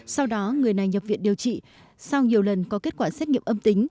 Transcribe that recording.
sau đó người này nhập viện điều trị sau nhiều lần có kết quả xét nghiệm âm tính